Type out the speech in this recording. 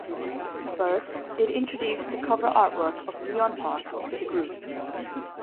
First, it introduced the cover artwork of Neon Park to the group.